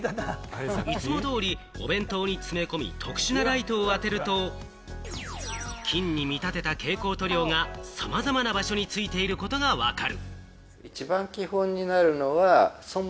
いつも通りお弁当に詰め込み、特殊なライトを当てると、菌に見立てた蛍光塗料がさまざまな場所に付いていることが分かる。